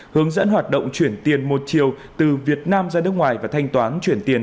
hướng dẫn hoạt động chuyển tiền một chiều từ việt nam ra nước ngoài và thanh toán chuyển tiền